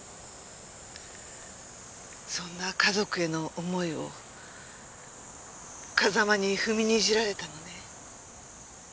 そんな家族への思いを風間に踏みにじられたのね。